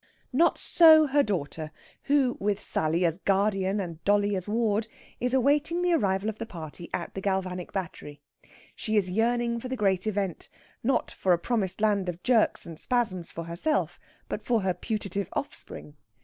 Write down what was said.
Not so her daughter, who, with Sally as guardian and dolly as ward, is awaiting the arrival of the party at the galvanic battery. She is yearning for the great event; not for a promised land of jerks and spasms for herself, but for her putative offspring.